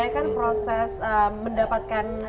kan proses mendapatkan